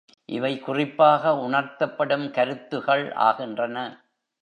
இவை குறிப்பாக உணர்த்தப்படும் கருத்துகள் ஆகின்றன.